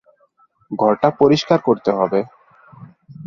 ঘরটা পরিষ্কার করতে হবে।